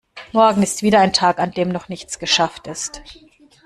Morgen ist wieder ein Tag an dem noch nichts geschafft ist.